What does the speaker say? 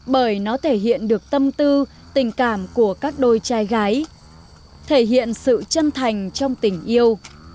bởi nó thể hiện được tâm tư tình cảm của các đôi trai gái thể hiện sự chân thành trong tình yêu